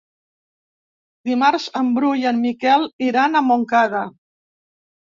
Dimarts en Bru i en Miquel iran a Montcada.